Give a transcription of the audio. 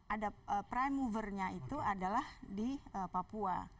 ada prime movernya itu adalah di papua